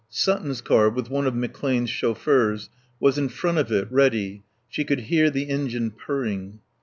Sutton's car, with one of McClane's chauffeurs, was in front of it, ready; she could hear the engine purring.